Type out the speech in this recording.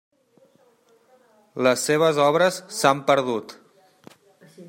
Les seves obres s'han perdut.